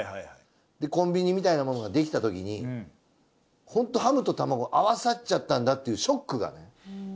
コンビニみたいなものができたときにホントハムとタマゴ合わさっちゃったんだっていうショックがね。